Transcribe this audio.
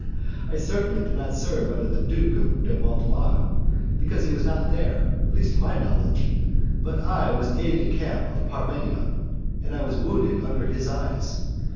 I certainly did not serve under the Duke de Mortemar, because he was not there, at least to my knowledge, but I was aid de camp of Parmenion, and I was wounded under his eyes.